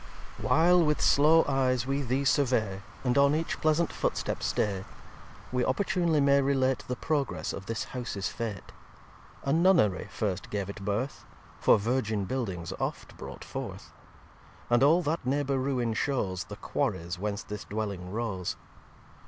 xi While with slow Eyes we these survey, And on each pleasant footstep stay, We opportunly may relate The progress of this Houses Fate. A Nunnery first gave it birth. For Virgin Buildings oft brought forth. And all that Neighbour Ruine shows The Quarries whence this dwelling rose.